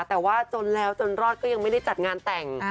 แต่ว่าจนแล้วจนรอดก็ยังไม่ได้จัดงานแต่ง